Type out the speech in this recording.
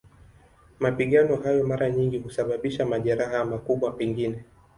Mapigano hayo mara nyingi husababisha majeraha, makubwa pengine.